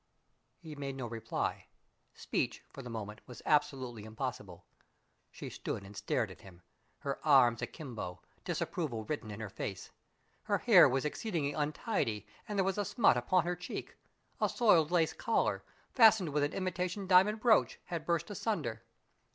He made no reply. Speech, for the moment, was absolutely impossible. She stood and stared at him, her arms akimbo, disapproval written in her face. Her hair was exceedingly untidy and there was a smut upon her cheek. A soiled lace collar, fastened with an imitation diamond brooch, had burst asunder.